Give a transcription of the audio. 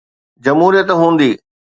جمهوريت هوندي.